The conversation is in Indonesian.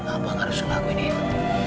abang harus lakuin itu